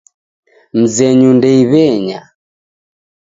Mzenyu ndeiw'enya.